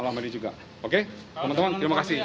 teman teman terima kasih